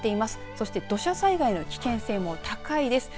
そして土砂災害の危険性も高いです。